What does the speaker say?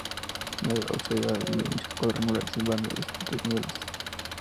En el ábside hay nichos cuadrangulares y vanos de distintos niveles.